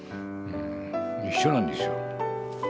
うん。一緒なんですよ。